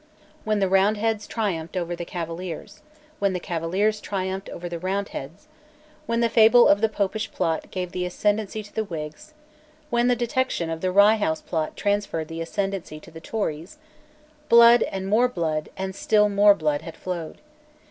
When the Roundheads triumphed over the Cavaliers, when the Cavaliers triumphed over the Roundheads, when the fable of the Popish plot gave the ascendency to the Whigs, when the detection of the Rye House Plot transferred the ascendency to the Tories, blood, and more blood, and still more blood had flowed.